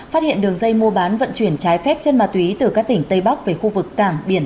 phát hiện đường dây mua bán vận chuyển trái phép chân ma túy từ các tỉnh tây bắc về khu vực cảng biển